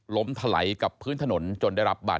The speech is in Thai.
ล้มถไหลกับพื้นถนน